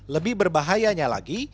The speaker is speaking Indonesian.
lebih berbahayanya lagi